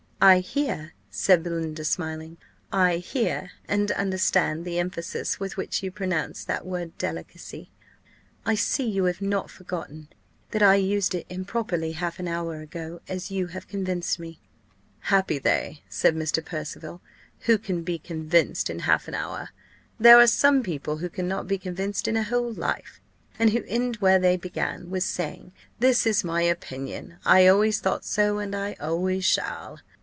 "I hear," said Belinda, smiling, "I hear and understand the emphasis with which you pronounce that word delicacy. I see you have not forgotten that I used it improperly half an hour ago, as you have convinced me." "Happy they," said Mr. Percival, "who can be convinced in half an hour! There are some people who cannot be convinced in a whole life, and who end where they began, with saying 'This is my opinion I always thought so, and always shall.